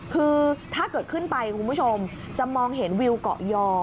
คือถ้าเกิดขึ้นไปคุณผู้ชมจะมองเห็นวิวเกาะยอ